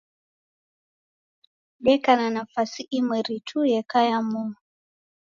Deka na nafasi imweri tu yekaya moo.